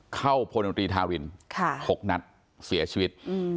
เข้าโพลโนตรีธาวิน๖นัดเสียชีวิต